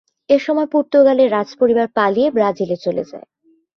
এসময় পর্তুগালের রাজপরিবার পালিয়ে ব্রাজিলে চলে যান।